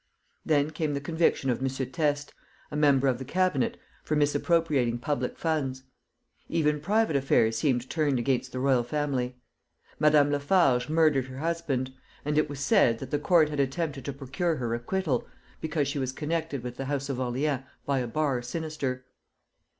Then came the conviction of M. Teste, a member of the Cabinet, for misappropriating public funds. Even private affairs seemed turned against the royal family. Madame Lafarge murdered her husband, and it was said that the court had attempted to procure her acquittal because she was connected with the house of Orleans by a bar sinister.